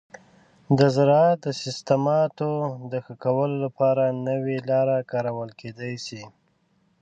د زراعت د سیستماتو د ښه کولو لپاره نوي لارې کارول کیدی شي.